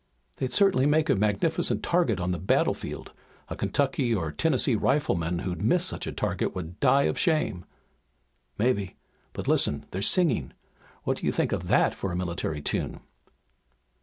"They'd certainly make a magnificent target on the battlefield. A Kentucky or Tennessee rifleman who'd miss such a target would die of shame." "Maybe. But listen, they're singing! What do you think of that for a military tune?"